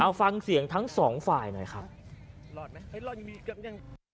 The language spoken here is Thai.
เอาฟังเสียงทั้งสองฝ่ายหน่อยครับรอดไหมรอดยังมีเกือบยัง